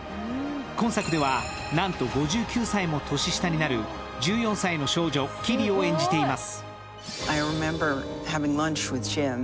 今作ではなんと、５９歳も年下になる１４歳の少女・キリを演じています。